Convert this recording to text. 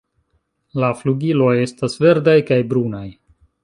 La flugiloj estas verdaj kaj brunaj.